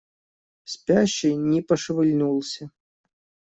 Спящий не пошевельнулся.